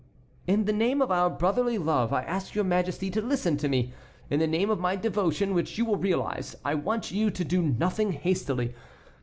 "In the name of our brotherly love I ask your Majesty to listen to me, in the name of my devotion, which you will realize, I want you to do nothing hastily.